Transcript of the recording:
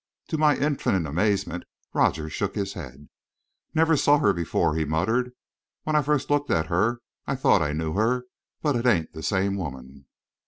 To my infinite amazement, Rogers shook his head. "Never saw her before," he muttered. "When I first looked at her, I thought I knew her; but it ain't the same woman."